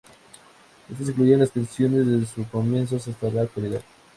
Estos incluyen las canciones desde sus comienzos hasta la actualidad.